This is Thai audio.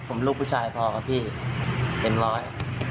ผมลูกผู้ชายพอกับพี่เป็นร้อย